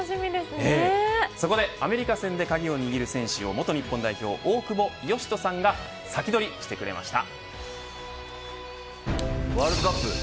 そこでアメリカ戦で鍵を握る選手を元日本代表大久保嘉人さんが先取りしてくれました。